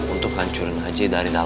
untuk hancurin haji dari nasional